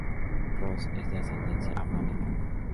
Ross es de ascendencia afroamericana.